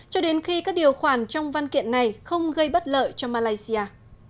cho đến khi các điều khoản trong văn kiện này không gây bất lợi cho malaysia